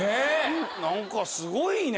何かすごいね。